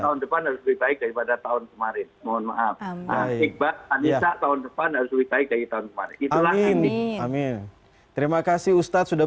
tahun depan lebih baik daripada tahun kemarin mohon maaf amin amin amin terima kasih ustadz sudah